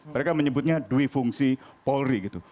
mereka menyebutnya duifungsi polri gitu